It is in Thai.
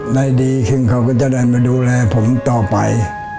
ได้ดีขึ้นเขาก็จะได้มาดูแลผมต่อไป